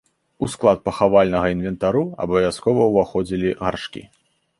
У склад пахавальнага інвентару абавязкова ўваходзілі гаршкі.